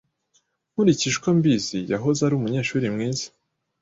Nkurikije uko mbizi, yahoze ari umunyeshuri mwiza.